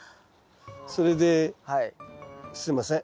それですいません。